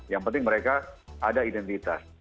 yang penting mereka ada identitas